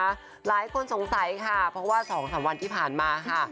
หลายคนสงสัยค่ะเพราะว่า๒๓วันที่ผ่านมาค่ะ